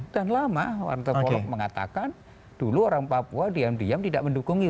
dan lama warna terkolok mengatakan dulu orang papua diam diam tidak mendukungi